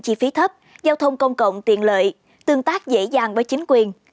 chi phí thấp giao thông công cộng tiện lợi tương tác dễ dàng với chính quyền